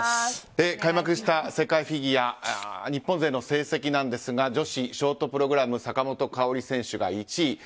開幕した世界フィギュア日本勢の成績ですが女子ショートプログラム坂本花織選手が１位。